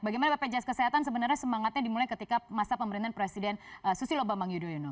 bagaimana bpjs kesehatan sebenarnya semangatnya dimulai ketika masa pemerintahan presiden susilo bambang yudhoyono